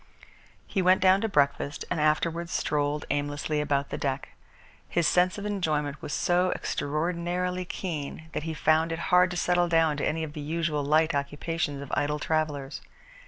He went down to breakfast and afterwards strolled aimlessly about the deck. His sense of enjoyment was so extraordinarily keen that he found it hard to settle down to any of the usual light occupations of idle travellers.